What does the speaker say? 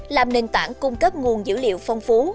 làm nền tảng cung cấp nguồn dữ liệu phong phú